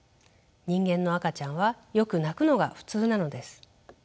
人間の赤ちゃんはよく泣くのが普通なのです。